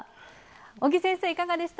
尾木先生、いかがでした？